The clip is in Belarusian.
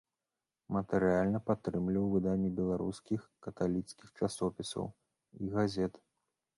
Матэрыяльна падтрымліваў выданне беларускіх каталіцкіх часопісаў і газет.